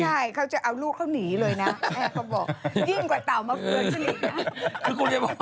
ใช่เขาจะเอาลูกเขาหนีเลยนะแม่เขาบอกยิ่งกว่าเต่ามาฟื้นขึ้นอีกนะ